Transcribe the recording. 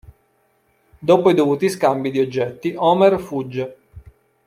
Dopo i dovuti scambi di oggetti, Homer fugge.